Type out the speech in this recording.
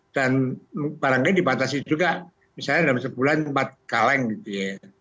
dan barangkali dipatasi juga misalnya dalam sebulan empat kaleng gitu ya